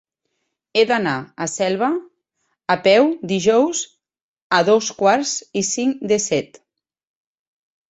He d'anar a Selva a peu dijous a dos quarts i cinc de set.